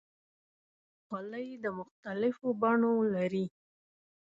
خولۍ د مختلفو بڼو لري.